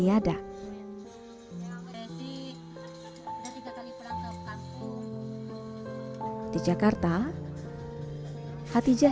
apa diperminta saya